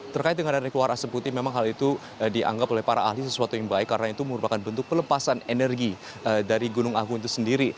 terkait dengan adanya keluar asap putih memang hal itu dianggap oleh para ahli sesuatu yang baik karena itu merupakan bentuk pelepasan energi dari gunung agung itu sendiri